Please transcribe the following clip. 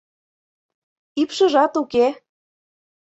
— Ӱпшыжат уке.